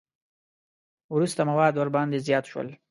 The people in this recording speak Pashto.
وروسته مواد ورباندې زیات شول.